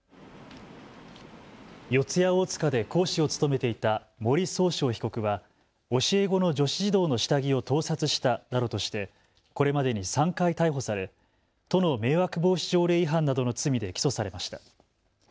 四谷大塚で講師を務めていた森崇翔被告は教え子の女子児童の下着を盗撮したなどとしてこれまでに３回逮捕され都の迷惑防止条例違反などの罪で起訴されました。